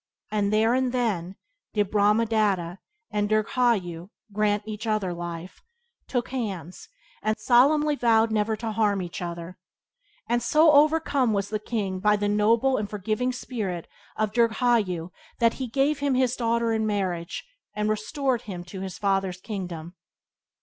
And there and then did Brahmadatta and Dirghayu grant each other life, took hands, and solemnly vowed never to harm each other. And so overcome was the king by the noble and forgiving spirit of Dirghayu that he gave him his daughter in marriage, and restored to him his father's kingdom.